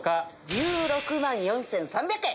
１６万４３００円。